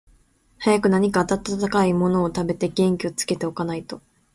早く何か暖かいものでも食べて、元気をつけて置かないと、